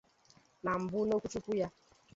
Na mbụ n'okwuchukwu ya